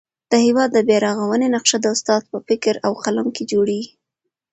د هېواد د بیارغونې نقشه د استاد په فکر او قلم کي جوړېږي.